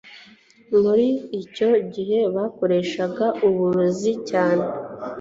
Muri icyo gihe bakoreshaga uburozi cyane.